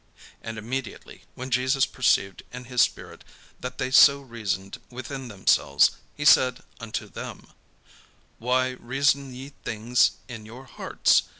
And immediately when Jesus perceived in his spirit that they so reasoned within themselves, he said unto them: "Why reason ye these things in your hearts?